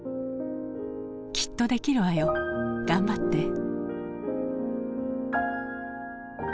「きっとできるわよ。頑張って」。